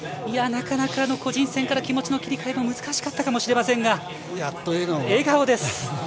なかなか個人戦から気持ちの切り替えが難しかったかもしれませんが笑顔です。